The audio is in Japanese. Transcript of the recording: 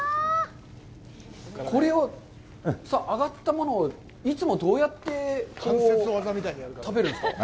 これを、揚がったものをいつもどうやって食べるんですか？